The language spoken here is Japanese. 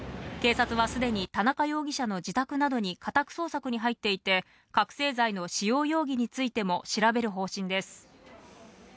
警察はすでに田中容疑者の自宅などに家宅捜索に入っていて、覚醒剤の使用容疑についても調べる方針です。